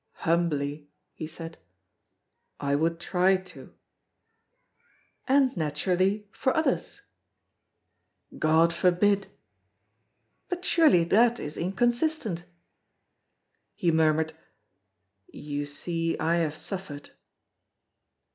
"Humbly," he said, "I would try to." "And naturally, for others?" "God forbid!" "But surely that is inconsistent." He murmured: "You see, I have suffered."